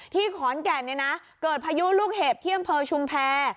ที่ขอนแก่นเนี่ยนะเกิดพายุลูกเห็บที่อำเภอชุมแพร